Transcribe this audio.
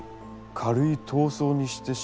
軽い痘瘡にしてしまう。